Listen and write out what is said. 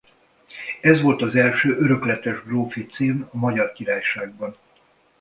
Ez volt az első örökletes grófi cím a Magyar Királyságban.